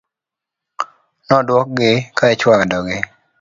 Nodwok gi ka ichwado gi .